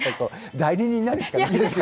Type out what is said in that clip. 代理人になるしかないですよ。